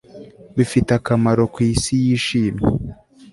bifite akamaro ku isi yishimye